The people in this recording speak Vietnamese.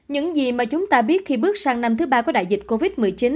những gì mà chúng ta biết khi bước sang năm thứ ba của đại dịch covid một mươi chín